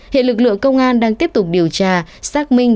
hiện lực lượng công an đang tiếp tục điều tra xác minh